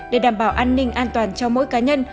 để đảm bảo an ninh an toàn cho mỗi cá nhân